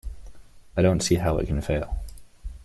I don't see how it can fail.